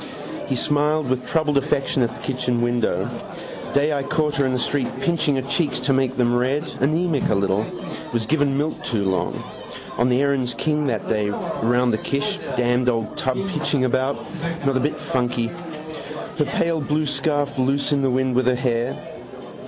He smiled with troubled affection at the kitchen window. Day I caught her in the street pinching her cheeks to make them red. Anemic a little. Was given milk too long. On the Erin's King that day round the Kish. Damned old tub pitching about. Not a bit funky. Her pale blue scarf loose in the wind with her hair.